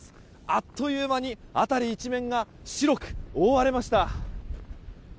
あっという間に辺り一面が白く覆われました。